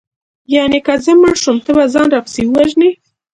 یانې که زه مړه شوم ته به ځان راپسې ووژنې